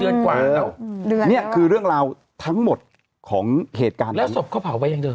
กว่าแล้วนี่คือเรื่องราวทั้งหมดของเหตุการณ์แล้วศพเขาเผาไปยังเดิ